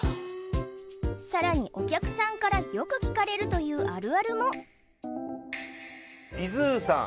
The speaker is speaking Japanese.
さらにお客さんからよく聞かれるというあるあるもｉＺｏｏさん